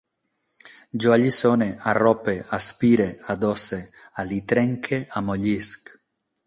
Jo alliçone, arrope, aspire, adosse, alitrenque, amollisc